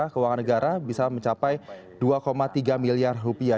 keuangan negara bisa mencapai dua tiga miliar rupiah